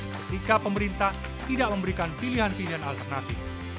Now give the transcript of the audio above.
ketika pemerintah tidak memberikan pilihan pilihan alternatif